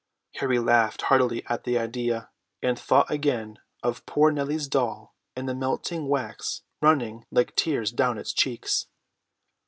Harry laughed heartily at the idea, and thought again of poor Nellie's doll and the melting wax running like tears down its cheeks.